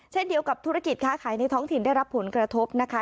เช่นเดียวกับธุรกิจค้าขายในท้องถิ่นได้รับผลกระทบนะคะ